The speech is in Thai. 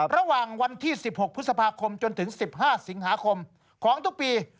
ระหว่างวันที่๑๖พฤษภาคมจนถึง๑๕สิงหาคมของทุกปี